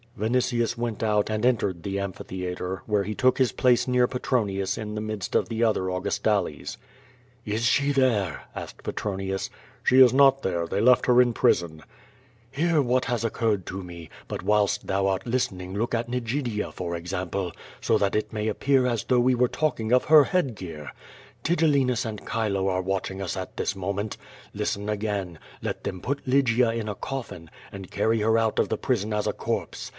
Vinitius went out and entered the amphitheatre, where he took his place near Petronius in the midst of the other Au gustales. "Is she there ?'* asked Petronius. "She is not there, they left her in prison." "Hear what has occurred to me, but whilst thou art listen ing look at Nigidia, for example, st> that it may appear as though we were talking of her hoadgoar. Tigellinus and Chilo are watching us at this moment. Listen again; let them put Lygia in a coffin and carry her out of the prison as a corpse.